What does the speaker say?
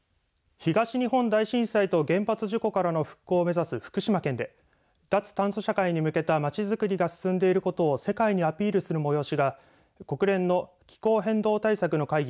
東日本大震災と原発事故からの復興を目指す福島県で脱炭素社会に向けたまちづくりが進んでいることを世界にアピールする催しが国連の気候変動対策の会議